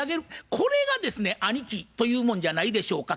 これがですね兄貴というもんじゃないでしょうか。